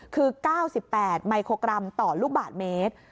คือ๙๘มิโครกรัมต่อลูกบาทเมตร